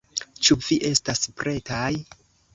Ĉu vi estas pretaj?